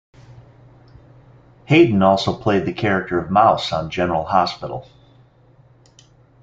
Hayden also played the character of Mouse on "General Hospital".